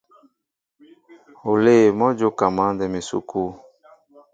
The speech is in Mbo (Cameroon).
Olê mɔ́ a jóka mǎndɛm esukû.